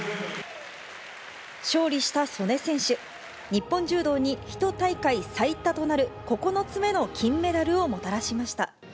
勝利した素根選手、日本柔道に１大会最多となる９つ目の金メダルをもたらしました。